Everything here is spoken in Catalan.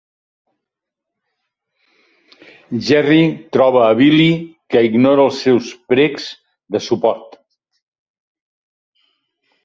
Gerry troba a Billy, que ignora els seus precs de suport.